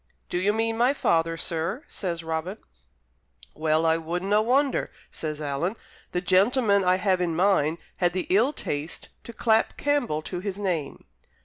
"Do you mean my father, sir?" says Robin. "Well, I wouldnae wonder," says Alan. "The gentleman I have in my mind had the ill taste to clap Campbell to his name."